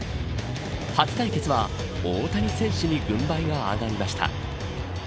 初対決は、大谷選手に軍配が上がりました。